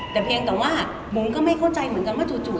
แต่เพียงแต่ว่าบุ๋มก็ไม่เข้าใจเหมือนกันว่าจู่